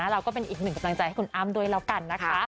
เราก็เป็นอีกหนึ่งกำลังใจให้คุณอ้ำด้วยแล้วกันนะคะ